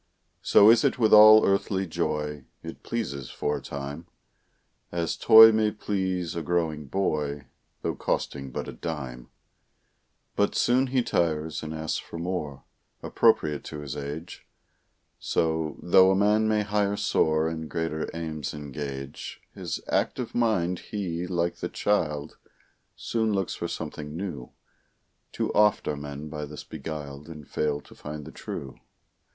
So is it with all earthly joy It pleases for a time, As toy may please a growing boy, Though costing but a dime; But soon he tires and asks for more, Appropriate to his age; So, though a man may higher soar And greater aims engage His active mind, he, like the child, Soon looks for something new. Too oft are men by this beguiled And fail to find the true.